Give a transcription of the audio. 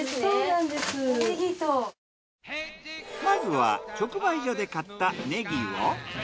まずは直売所で買ったネギを。